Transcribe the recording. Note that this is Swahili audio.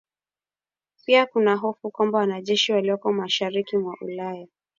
Pia kuna hofu kwamba wanajeshi walioko mashariki mwa Ulaya